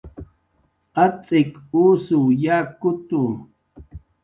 Atz'ik usuw yakutu